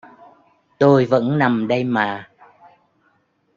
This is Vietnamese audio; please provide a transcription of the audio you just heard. Tôi vẫn nằm đây mà